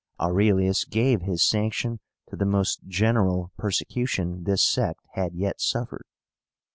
AURELIUS gave his sanction to the most general persecution this sect had yet suffered.